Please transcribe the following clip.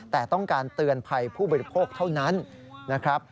แต่ต้องการเตือนภัยผู้บริโภคเท่านั้นนะครับ